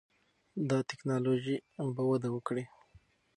دا ټکنالوژي به وده وکړي.